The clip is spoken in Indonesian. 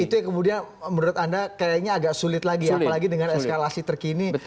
itu yang kemudian menurut anda kayaknya agak sulit lagi apalagi dengan eskalasi terkini